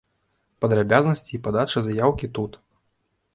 Падрабязнасці і падача заяўкі тут.